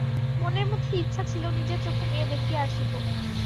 মনের মধ্যে ইচ্ছা ছিল, নিজের চোখে মেয়ে দেখিয়া আসিব।